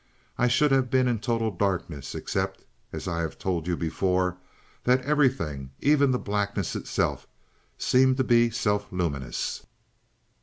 I should have been in total darkness except, as I have told you before, that everything, even the blackness itself, seemed to be self luminous.